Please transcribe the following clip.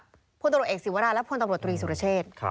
พลตำรวจเอกศีวรารังศีพรามณกุลและพลตำรวจตุรีสุรเชษ